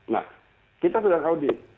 nah kita sudah keaudit